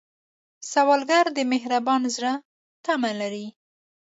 سوالګر د مهربان زړه تمه لري